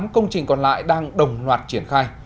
tám công trình còn lại đang đồng loạt triển khai